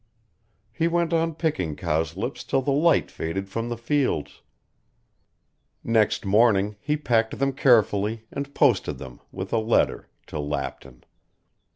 He went on picking cowslips till the light faded from the fields. Next morning he packed them carefully, and posted them, with a letter, to Lapton.